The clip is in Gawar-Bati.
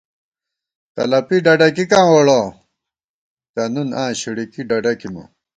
تلَپی ڈَڈَکِکاں ووڑَہ تہ نُن آں شِڑِکی ڈَڈَکِمہ